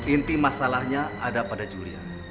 inti masalahnya ada pada julia